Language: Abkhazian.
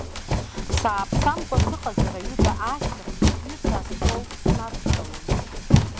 Сааԥсамкәа сыҟазар, аҩыга аашьҭыхны сҩырҭа астол снадтәалон.